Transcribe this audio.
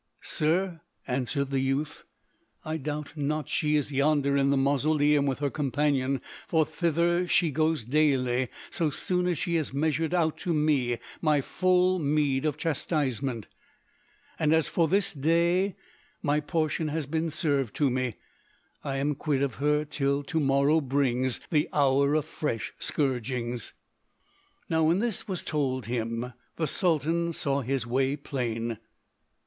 "Sir," answered the youth, "I doubt not she is yonder in the mausoleum with her companion, for thither she goes daily so soon as she has measured out to me my full meed of chastisement: and as for this day my portion has been served to me, I am quit of her till to morrow brings, the hour of fresh scourgings." [Illustration: Thus by her wicked machinations the city became a lake.] Now when this was told him the Sultan saw his way plain.